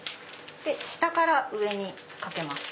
下から上に掛けます。